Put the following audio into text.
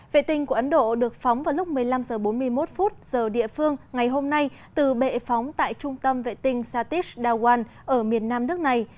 vệ tinh của ấn độ được phóng vào lúc một mươi năm h bốn mươi một giờ địa phương ngày hôm nay từ bệ phóng tại trung tâm vệ tinh satis dawan ở miền nam nước này